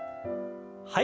はい。